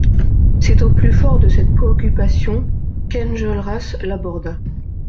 C'est au plus fort de cette préoccupation qu'Enjolras l'aborda.